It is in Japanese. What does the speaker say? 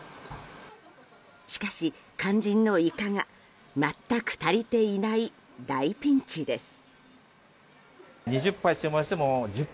しかし、肝心のイカが全く足りていない大ピンチです。